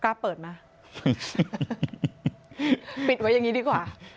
กล้าเปิดไหมปิดไว้อย่างนี้ดีกว่า